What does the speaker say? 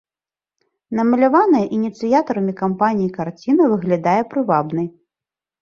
Намаляваная ініцыятарамі кампаніі карціна выглядае прывабнай.